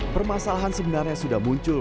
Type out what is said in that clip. permasalahan sebenarnya sudah muncul